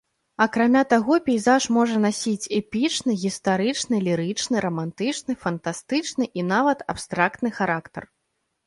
Акрамя таго, пейзаж можа насіць эпічны, гістарычны, лірычны, рамантычны, фантастычны і нават абстрактны характар.